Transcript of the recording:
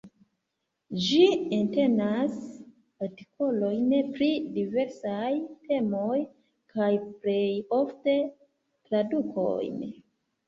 Ĝi entenas artikolojn pri diversaj temoj, kaj plej ofte tradukojn.